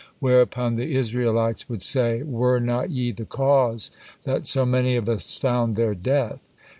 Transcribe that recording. whereupon the Israelites would say, "Were not ye the cause that so many of us found their death?"